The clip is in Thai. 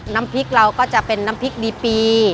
น้ำพริกเราก็จะเป็นน้ำพริกดีปี